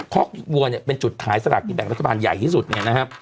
คอกวัวเนี่ยเป็นจุดขายสลากกินแบ่งรัฐบาลใหญ่ที่สุดเนี่ยนะครับ